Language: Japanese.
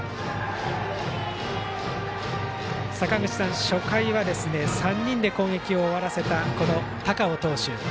坂口さん初回は３人で攻撃を終わらせたこの高尾投手。